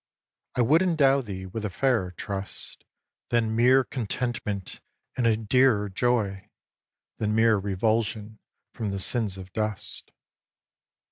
I would endow thee with a fairer trust Than mere contentment, and a dearer joy Than mere revulsion from the sins of dust.